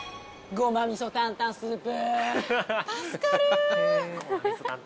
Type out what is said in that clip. ［胡麻味噌担々スープ］